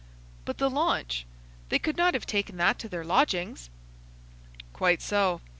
"But the launch? They could not have taken that to their lodgings." "Quite so.